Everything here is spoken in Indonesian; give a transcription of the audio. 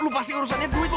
lu pasti urusannya duit lu